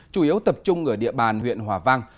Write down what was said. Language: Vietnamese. chủ yếu tập trung ở địa bàn huyện hòa vang